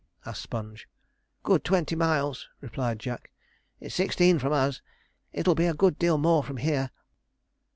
asked Sponge. 'Good twenty miles,' replied Jack. 'It's sixteen from us; it'll be a good deal more from here.'